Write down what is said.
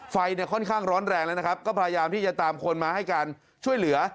ไฟเนี่ยค่อนข้างร้อนแรงแล้วนะครับก็พยายามที่จะตามคนมาให้การช่วยเหลือ